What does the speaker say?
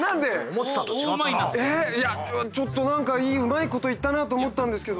えっいやちょっとなんかうまいこと言ったなと思ったんですけど。